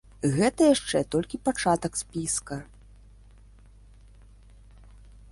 Гэта яшчэ толькі пачатак спіска.